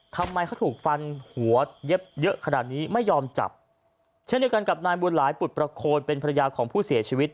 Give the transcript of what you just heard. ทำไมเขาถูกฟันหัวเย็บเยอะขนาดนี้ไม่ยอมจับเช่นเดียวกันกับนายบุญหลายปุฏประโคนเป็นภรรยาของผู้เสียชีวิต